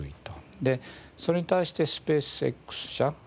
でそれに対してスペースＸ社。